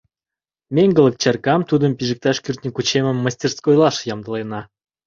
Меҥгылык чаркам, тудым, пижыкташ кӱртньӧ кучемым мастерскойлаш ямдылена.